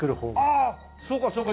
ああそうかそうか。